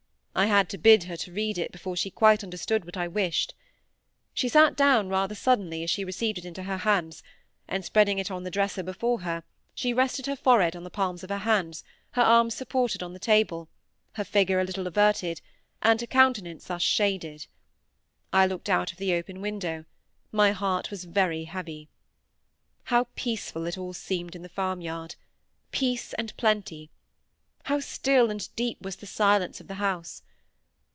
I had to bid her to read it, before she quite understood what I wished. She sate down rather suddenly as she received it into her hands; and, spreading it on the dresser before her, she rested her forehead on the palms of her hands, her arms supported on the table, her figure a little averted, and her countenance thus shaded. I looked out of the open window; my heart was very heavy. How peaceful it all seemed in the farmyard! Peace and plenty. How still and deep was the silence of the house!